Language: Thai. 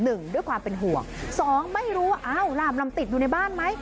หนึ่งด้วยความเป็นห่วงสองไม่รู้ว่าอ้าวหลาบลำติดอยู่ในบ้านไหม